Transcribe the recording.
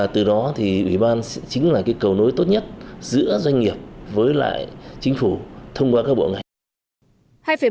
từ đó ủy ban chính là cầu nối tốt nhất giữa doanh nghiệp với chính phủ thông qua các bộ ngành